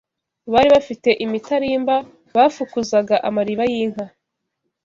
Bari bafite imitarimba bafukuzaga amariba y'inka